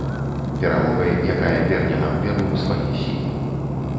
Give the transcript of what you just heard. Перамогай, якая верне нам веру ў свае сілы.